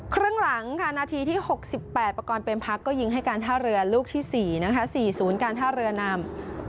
ครึ่งหลังค่ะนาทีที่๖๘ประกอบเป็นพักก็ยิงให้การท่าเรือลูกที่๔๔๐การท่าเรือนำ